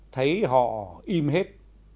thấy họ im hết